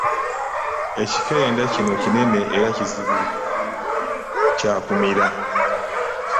Ekikerenda kino kinene era kizibu kya kumira.